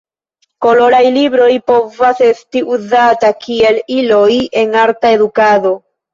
Koloraj libroj povas esti uzataj kiel iloj en arta edukado.